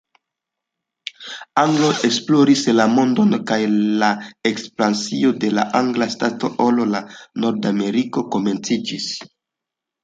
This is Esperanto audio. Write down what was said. Angloj esploris la mondon kaj la ekspansio de la angla ŝtato al Nordameriko komenciĝis.